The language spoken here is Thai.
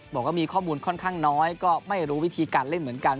บอกว่ามีข้อมูลค่อนข้างน้อยก็ไม่รู้วิธีการเล่นเหมือนกัน